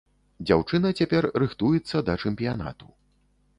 Дзяўчына цяпер рыхтуецца да чэмпіянату.